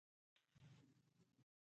او د کروړې سېرۍ کلي کښې اوسېدو